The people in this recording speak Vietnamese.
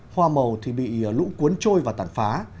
hoa màu thì bị lũ cuốn trôi và tàn phá